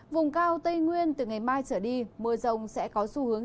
vùng cao tây nguyên từ ngày mai trở đi mưa rông sẽ có xu hướng